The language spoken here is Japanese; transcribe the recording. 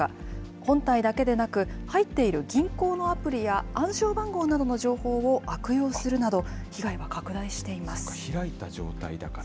本体だけでなく、入っている銀行のアプリや暗証番号などの情報を悪用するなど、被害はそうか、開いた状態だから。